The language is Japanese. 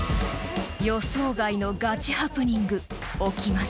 ［予想外のガチハプニング起きます］